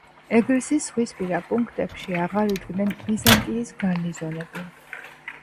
ეგრისის ზღვისპირა პუნქტებში აღარ იდგნენ ბიზანტიის გარნიზონები.